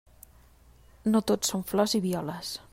No tot són flors i violes.